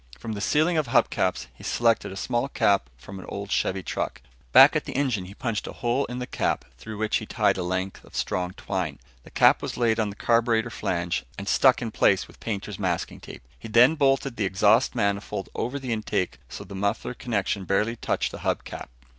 From the ceiling of hub caps, he selected a small cap from an old Chevy truck. Back at the engine, he punched a hole in the cap, through which he tied a length of strong twine. The cap was laid on the carburetor flange and stuck in place with painter's masking tape. He then bolted the exhaust manifold over the intake so the muffler connection barely touched the hub cap.